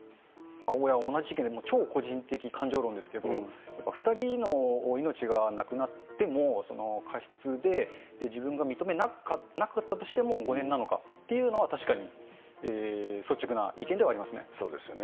同じ意見で、もう超個人的感情論ですけど、２人の命がなくなっても、過失で、自分が認めなかったとしても５年なのかっていうのは確かに率直なそうですよね。